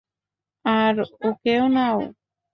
আর ওকেও নাও।